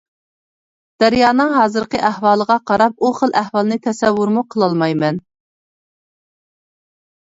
دەريانىڭ ھازىرقى ئەھۋالىغا قاراپ ئۇ خىل ئەھۋالنى تەسەۋۋۇرمۇ قىلالمايمەن.